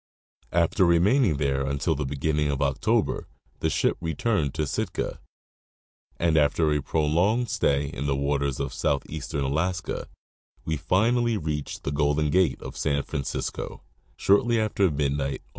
After remaining there until the beginning of October the ship returned to Sitka, and after a prolonged stay in the waters of southeastern Alaska we finally reached the Golden gate of San Francisco, shortly after midnight on the 7th of December.